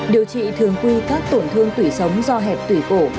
điều trị thường quy các tổn thương tủy sống do hẹp tủy cổ